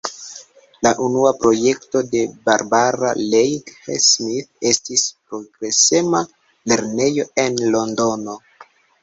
La unua projekto de Barbara Leigh Smith estis progresema lernejo en Londono.